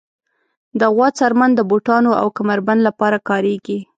د غوا څرمن د بوټانو او کمر بند لپاره کارېږي.